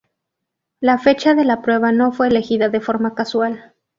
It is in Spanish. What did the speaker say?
La fecha de la prueba no fue elegida de forma casual.